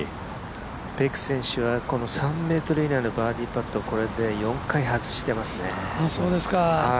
ペク選手は３ｍ以内のバーディーパットこれで４回、外してますね。